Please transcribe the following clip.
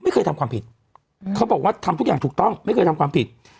ไม่เคยทำความผิดเขาบอกว่าทำทุกอย่างถูกต้องไม่เคยทำความผิด